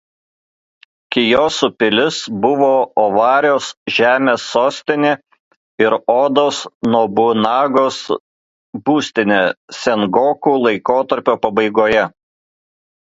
Kijosu pilis buvo Ovario žemės sostinė ir Odos Nobunagos būstinė Sengoku laikotarpio pabaigoje.